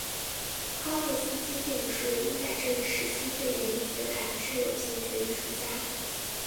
康定斯基并不是唯一在这一时期对联觉感知有兴趣的艺术家。